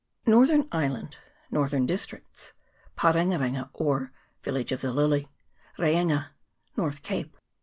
Northern Island Northern Districts Pa renga renga, or Village of the Lily Reinga North Cape.